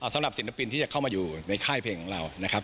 ศิลปินที่จะเข้ามาอยู่ในค่ายเพลงของเรานะครับ